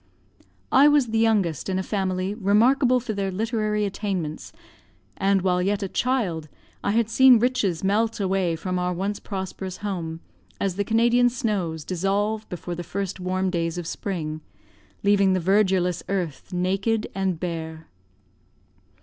I was the youngest in a family remarkable for their literary attainments; and, while yet a child, I had seen riches melt away from our once prosperous home, as the Canadian snows dissolve before the first warm days of spring, leaving the verdureless earth naked and bare.